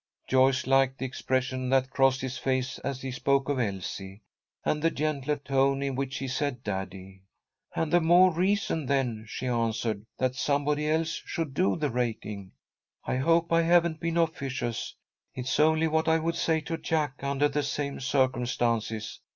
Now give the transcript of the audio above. Joyce liked the expression that crossed his face as he spoke of Elsie, and the gentler tone in which he said Daddy. "All the more reason, then," she answered, "that somebody else should do the raking. I hope I haven't been officious. It's only what I would say to Jack under the same circumstances.